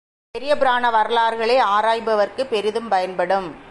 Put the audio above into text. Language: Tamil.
பெரிய புராண வரலாறுகளை ஆராய்பவர்க்குப் பெரிதும் பயன்படும்.